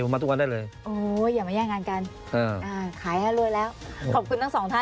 อ๋อไม่ต้องมาแล้วเนอะ